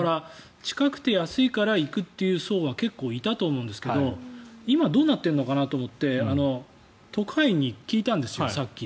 近くて安いから行くという層が結構いたと思うんですけど今どうなっているのかなと思って特派員に聞いたんですよさっき。